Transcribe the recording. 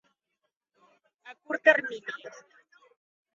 A curt termini.